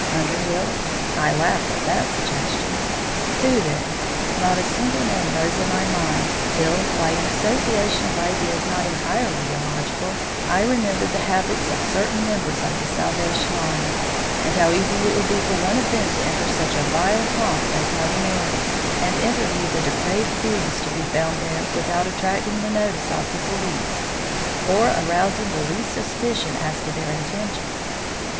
Underhill? I laughed at the suggestion. Who, then? Not a single name rose in my mind till, by an association of ideas not entirely illogical, I remembered the habits of certain members of the Salvation Army, and how easy it would be for one of them to enter such a vile haunt as Mother Merry's and interview the depraved beings to be found there without attracting the notice of the police or rousing the least suspicion as to their intentions.